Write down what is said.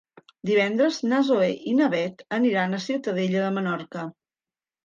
Divendres na Zoè i na Bet aniran a Ciutadella de Menorca.